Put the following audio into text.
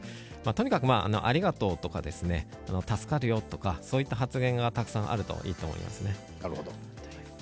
とにかく、ありがとうとか助かるよという発言がたくさんあるといいと思います。